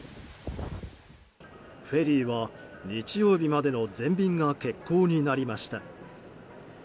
フェリーは来週月曜日までの全便が欠航になりました。